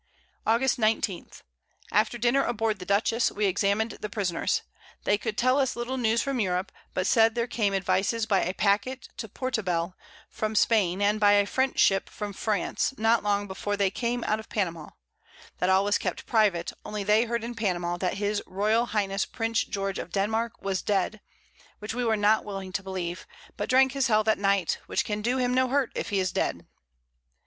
August 19. After Dinner aboard the Dutchess, we examin'd the Prisoners; they could tell us little News from Europe, but said there came Advices by a Packet to Portobell from Spain, and by a French Ship from France, not long before they came out of Panama; that all was kept private, only they heard in Panama, that his Royal Highness Prince George of Denmark was dead, which we were not willing to believe, but drank his Health at Night, which can do him no Hurt if he is dead.